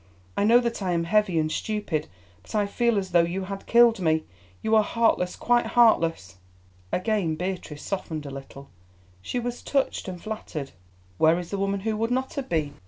I know that I am heavy and stupid, but I feel as though you had killed me. You are heartless, quite heartless." Again Beatrice softened a little. She was touched and flattered. Where is the woman who would not have been?